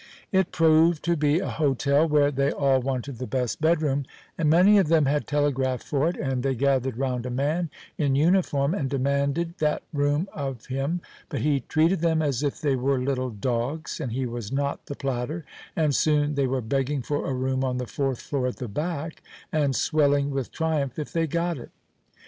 It proved to be a hotel where they all wanted the best bedroom, and many of them had telegraphed for it, and they gathered round a man in uniform and demanded that room of him; but he treated them as if they were little dogs and he was not the platter, and soon they were begging for a room on the fourth floor at the back, and swelling with triumph if they got it.